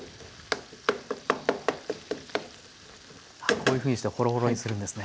こういうふうにしてホロホロにするんですね。